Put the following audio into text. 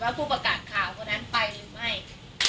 ผู้ประกาศข่าวคนนั้นไปหรือไม่